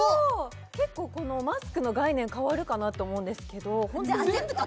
結構このマスクの概念変わるかなと思うんですけどあっ